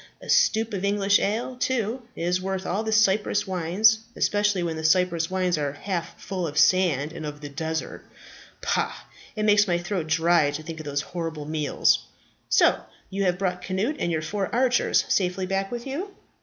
A stoup of English ale, too, is worth all the Cyprus wines, especially when the Cyprus wines are half full of the sand of the desert. Pah! it makes my throat dry to think of those horrible meals. So you have brought Cnut and your four archers safely back with you?"